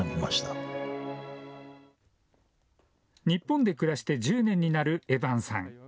日本で暮らして１０年になるエバンさん。